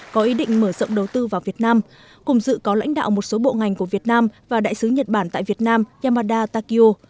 có ý định mở rộng đầu tư vào việt nam cùng dự có lãnh đạo một số bộ ngành của việt nam và đại sứ nhật bản tại việt nam yamada takio